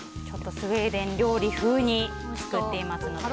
スウェーデン料理風に作っていますので。